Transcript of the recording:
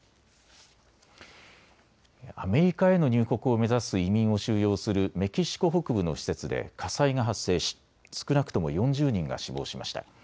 アメリカへの入国を目指す移民を収容するメキシコ北部の施設で火災が発生し少なくとも４０人が死亡しました。